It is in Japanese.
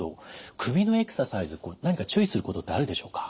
首のエクササイズ何か注意することってあるでしょうか。